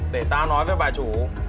để tao nói với bà chủ